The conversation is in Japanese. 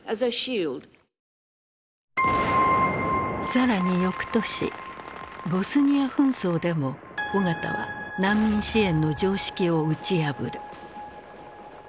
更に翌年ボスニア紛争でも緒方は難民支援の常識を打ち破る。